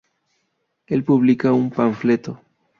él publica un panfleto